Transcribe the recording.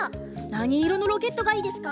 なにいろのロケットがいいですか？